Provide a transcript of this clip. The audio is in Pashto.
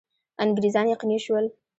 انګرېزان یقیني شول.